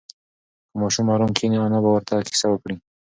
که ماشوم ارام کښېني، انا به ورته قصه وکړي.